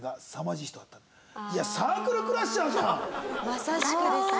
まさしくですね。